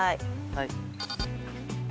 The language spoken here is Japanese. はい。